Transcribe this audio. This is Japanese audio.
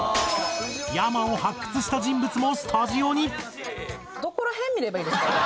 ｙａｍａを発掘した人物もスタジオに！